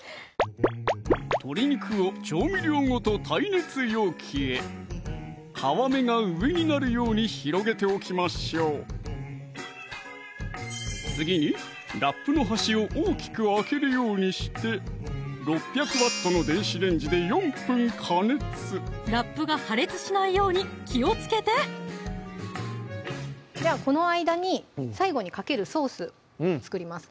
鶏肉を調味料ごと耐熱容器へ皮目が上になるように広げておきましょう次にラップの端を大きく開けるようにして６００Ｗの電子レンジで４分加熱ラップが破裂しないように気をつけてではこの間に最後にかけるソース作ります